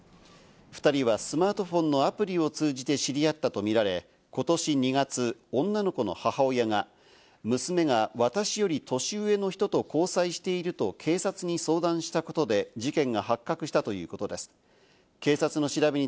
２人はスマートフォンのアプリを通じて知り合ったとみられ、ことし２月、女の子の母親が娘が私より年上の人と交際していると警察に相談したことで事件が発覚したということです。